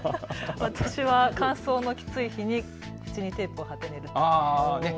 私は乾燥のきつい日に口にテープを貼って寝ています。